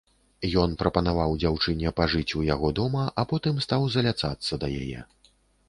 Ён прапанаваў дзяўчыне пажыць у яго дома, а потым стаў заляцацца да яе.